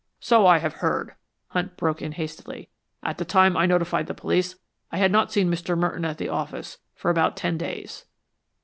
"So I have heard," Hunt broke in hastily. "At the time I notified the police I had not seen Mr. Merton at the office for about ten days."